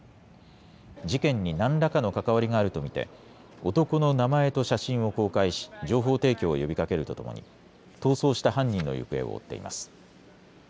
事件に何らかの関わりがあると見て男の名前と写真を公開し情報提供を呼びかけるとともに逃走した犯人の行方を追っています。